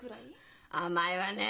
甘いわね！